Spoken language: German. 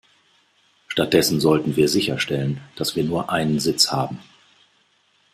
Stattdessen sollten wir sicherstellen, dass wir nur einen Sitz haben.